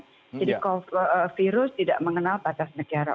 jadi virus tidak mengenal batas negara